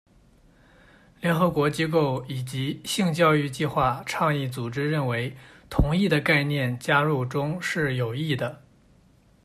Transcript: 联合国机构以及性教育计划倡议组织认为「同意」的概念加入中是有益的。